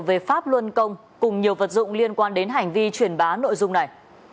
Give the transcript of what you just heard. về pháp luân công cùng nhiều vật dụng liên quan đến hành vi truyền bá nội dung này